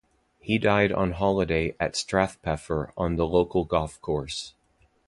He died on holiday at Strathpeffer on the local golf course.